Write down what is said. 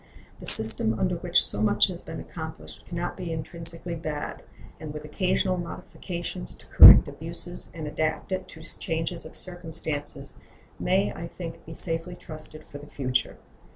The system under which so much has been accomplished can not be intrinsically bad, and with occasional modifications to correct abuses and adapt it to changes of circumstances may, I think, be safely trusted for the future.